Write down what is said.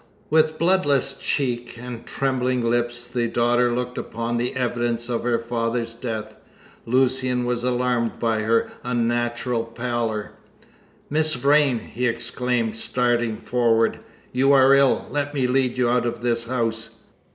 With bloodless cheek and trembling lip the daughter looked upon the evidence of her father's death. Lucian was alarmed by her unnatural pallor. "Miss Vrain!" he exclaimed, starting forward, "you are ill! Let me lead you out of this house."